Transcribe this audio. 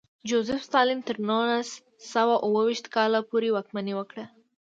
جوزېف ستالین تر نولس سوه اوه ویشت کال پورې واکمني وکړه.